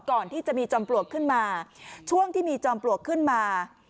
ก่อนที่จะมีจอมปลวกขึ้นมาช่วงที่มีจอมปลวกขึ้นมา